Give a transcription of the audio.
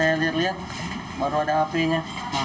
pas saya buka saya lihat lihat baru ada hp nya